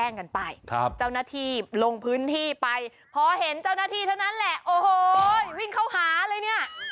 นั่นแหละโอ้โฮวิ่งเข้าหาเลยเนี่ย